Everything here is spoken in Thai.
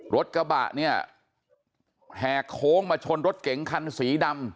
รถกระบะเนี่ยแหกโค้งมาชนรถเก๋งคันสีดำ